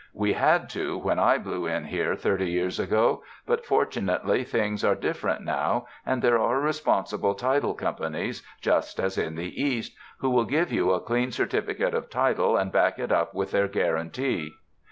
We had to, when 1 blew in here thirty years ago, but fortunately things are different now, and there are responsible title com panies just as in the East, who will give you a clean certificate of title and back it up with their guaran tee.